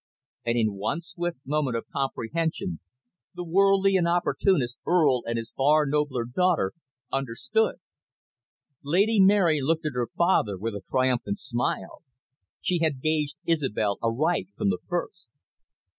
And, in one swift moment of comprehension, the worldly and opportunist Earl and his far nobler daughter understood. Lady Mary looked at her father with a triumphant smile. She had gauged Isobel aright from the first.